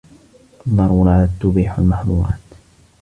الضرورات تبيح المحظورات